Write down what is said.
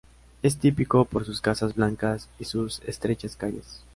Es típico por sus casas blancas y sus estrechas calles.